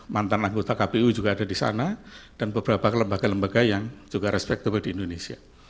mantan anggota kpu juga ada di sana dan beberapa lembaga lembaga yang juga respectable di indonesia